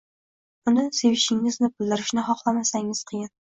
Uni sevishingizni bildirishni xohlamasangiz, qiyin.